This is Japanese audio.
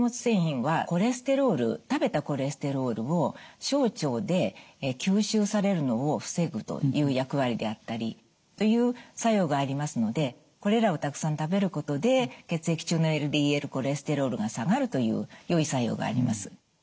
繊維はコレステロール食べたコレステロールを小腸で吸収されるのを防ぐという役割であったりという作用がありますのでこれらをたくさん食べることで血液中のＬＤＬコレステロールが下がるというよい作用があります。